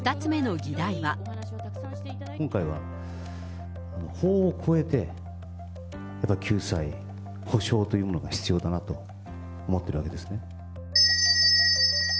今回は法を超えて、やっぱり救済、補償というものが必要だなと思ってるわけですね。